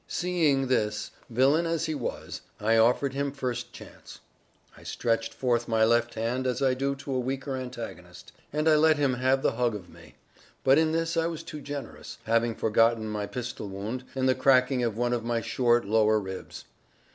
Seeing this, villain as he was, I offered him first chance. I stretched forth my left hand as I do to a weaker antagonist, and I let him have the hug of me. But in this I was too generous; having forgotten my pistol wound, and the cracking of one of my short lower ribs.